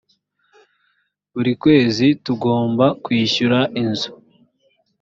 buri kwezi tugomba kwishyura inzu